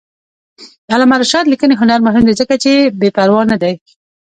د علامه رشاد لیکنی هنر مهم دی ځکه چې بېپروا نه دی.